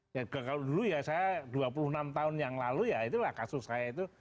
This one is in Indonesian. ya kalau dulu ya saya dua puluh enam tahun yang lalu ya itulah kasus saya itu